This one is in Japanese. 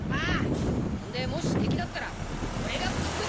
ほんでもし敵だったら俺がぶっとばしてやる。